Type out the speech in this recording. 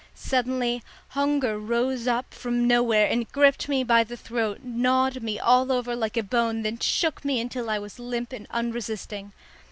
Suddenly hunger rose up from nowhere and gripped me by the throat, gnawed me all over like a bone, then shook me until I was limp and unresisting.